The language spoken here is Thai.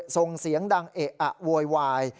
ส่งเสียงดังเอะอะโวยวาย